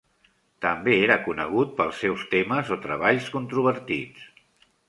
També era conegut pels seus temes o treballs controvertits.